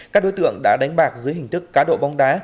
các đối tượng đã đánh bạc dưới hình thức cá độ bóng đá